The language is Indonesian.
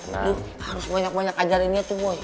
lo harus banyak banyak ajarinnya tuh boy